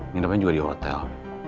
nginapnya juga di hotel